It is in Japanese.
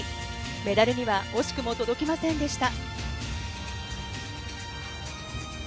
メダルには惜しくも届きませんでした。